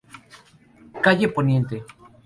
Calle Poniente.